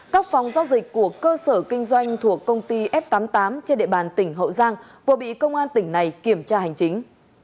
các phòng giao dịch của cơ sở kinh doanh thuộc công ty f tám mươi tám trên địa bàn tỉnh hậu giang vừa bị công an tỉnh này kiểm tra hành chính